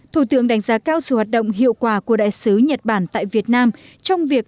thủ tướng đánh giá cao sự hoạt động hiệu quả của đại sứ nhật bản tại việt nam trong việc